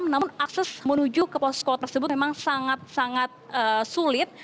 namun akses menuju ke posko tersebut memang sangat sangat sulit